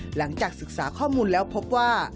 หลังจากศึกษาข้อมูลแล้วพบว่า